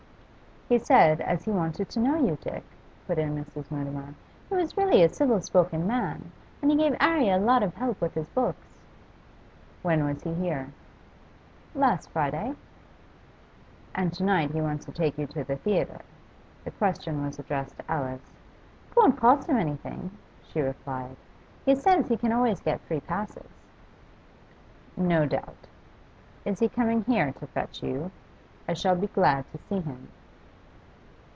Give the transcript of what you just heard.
'He said as he wanted to know you, Dick,' put in Mrs. Mutimer. 'He was really a civil spoken man, and he gave 'Arry a lot of help with his books.' 'When was he here?' 'Last Friday.' 'And to night he wants to take you to the theatre?' The question was addressed to Alice. 'It won't cost him anything,' she replied. 'He says he can always get free passes.' 'No doubt. Is he coming here to fetch you? I shall be glad to see him.